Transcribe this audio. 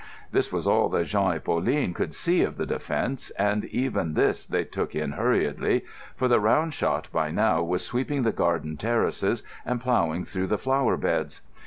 This was all that Jean and Pauline could see of the defence; and even this they took in hurriedly, for the round shot by now was sweeping the garden terraces and ploughing through the flower beds.